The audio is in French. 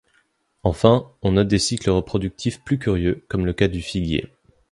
Enfin, on note des cycles reproductifs plus curieux, comme le cas du figuier.